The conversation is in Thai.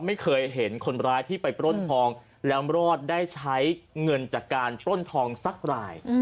ไม่เคยเห็นคนร้ายที่ไปปล้นทองแล้วรอดได้ใช้เงินจากการปล้นทองสักราย